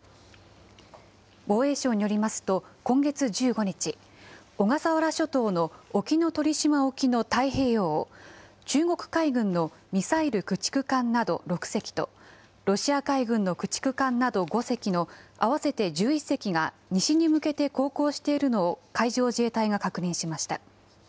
防衛省によりますと、今月１５日、小笠原諸島の沖ノ鳥島沖の太平洋を、中国海軍のミサイル駆逐艦など６隻と、ロシア海軍の駆逐艦など５隻の合わせて１１隻が、西に向けて航行しているのを海上自衛隊が確認しました。